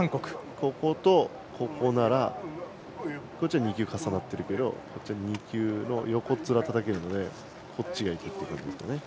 こことここなら２球重なっているけど２球の横っ面をたたけるのでそっちがいくということですね。